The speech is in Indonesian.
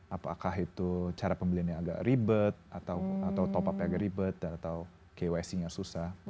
apakah itu cara pembeliannya agak ribet atau top up agak ribet atau kyc nya susah